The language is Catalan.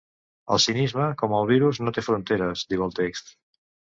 El cinisme, com el virus, no té fronteres, diu el text.